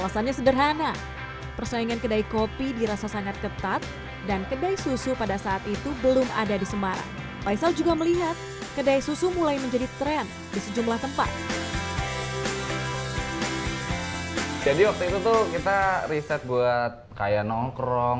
saya masih inget itu anak kesehatan ilmu kesehatan